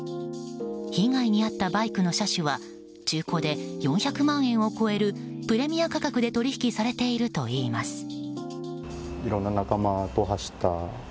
被害に遭ったバイクの車種は中古で４００万円を超えるプレミア価格で取引されているといいます。